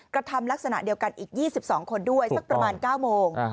กระทำลักษณะเดียวกันอีก๒๒คนด้วยสักประมาณ๙โมง